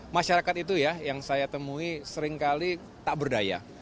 masyarakat itu ya yang saya temui seringkali tak berdaya